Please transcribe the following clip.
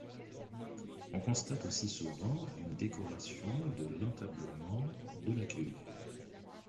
On constate aussi souvent une décoration de l'entablement de la cuve.